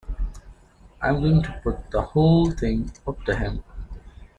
I'm going to put the whole thing up to him.